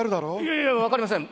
いやいや分かりません！